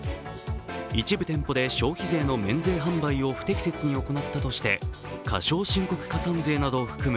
一部店舗で消費税の免税販売を不適切に行ったとして過少申告加算税などを含む